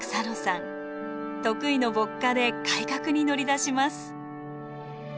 得意の歩荷で改革に乗り出します。